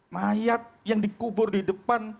mayat yang dikubur di depan